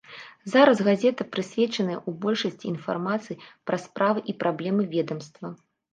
Зараз газета прысвечаная ў большасці інфармацыі пра справы і праблемы ведамства.